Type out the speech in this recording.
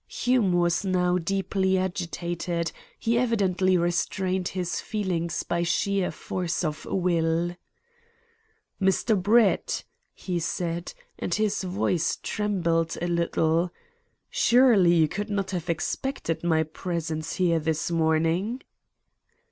Hume was now deeply agitated; he evidently restrained his feelings by sheer force of will. "Mr. Brett," he said, and his voice trembled a little, "surely you could not have expected my presence here this morning?"